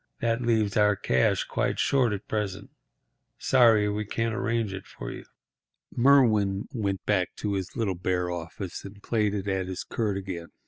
That leaves our cash quite short at present. Sorry we can't arrange it for you." Merwin went back to his little bare office and plaited at his quirt again.